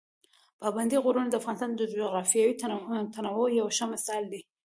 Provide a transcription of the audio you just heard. پابندي غرونه د افغانستان د جغرافیوي تنوع یو ښه مثال دی.